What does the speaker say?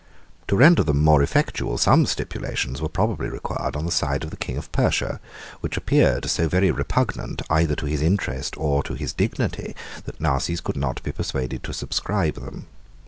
To render them more effectual, some stipulations were probably required on the side of the king of Persia, which appeared so very repugnant either to his interest or to his dignity, that Narses could not be persuaded to subscribe them.